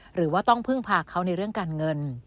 หรือว่าต้องพึ่งพาเขาในเรื่องการเงิน